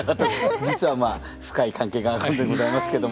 実はまあ深い関係があるんでございますけども。